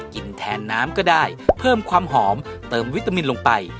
กินแทนน้ำก็ได้เพิ่มความหอมเติมวิตามินลงไป